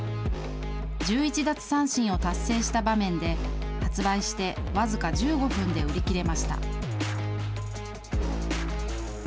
１１奪三振を達成した場面で、発売して僅か１５分で売り切れました。